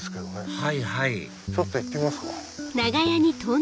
はいはいちょっと行ってみますか。